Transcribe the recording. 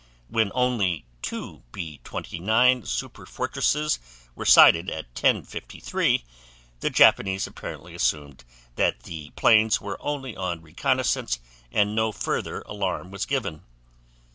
When only two B 29 superfortresses were sighted at 10:53 the Japanese apparently assumed that the planes were only on reconnaissance and no further alarm was given.